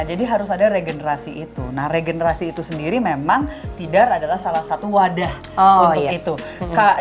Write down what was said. jadi harus ada regenerasi itu nah regenerasi itu sendiri memang tidar adalah salah satu wadah untuk itu